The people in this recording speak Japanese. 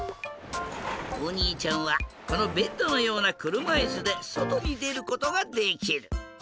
おにいちゃんはこのベッドのようなくるまいすでそとにでることができる！